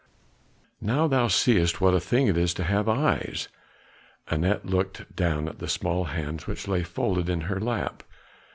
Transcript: Now thou seest what a thing it is to have eyes." Anat looked down at the small hands which lay folded in her lap.